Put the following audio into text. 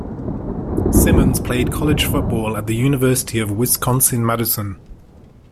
Simmons played college football at the University of Wisconsin-Madison.